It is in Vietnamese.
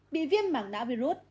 bị viêm mảng não virus